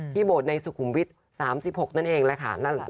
โบสถ์ในสุขุมวิทย์๓๖นั่นเองแหละค่ะ